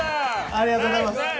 ありがとうございます。